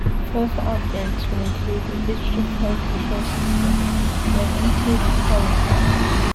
Future upgrades will include a digital fire control system and improved power pack.